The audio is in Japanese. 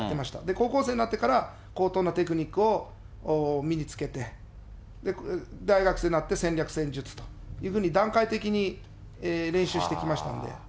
高校生になってから、高等なテクニックを身につけて、大学生になって戦略戦術というふうに、段階的に練習してきましたんで。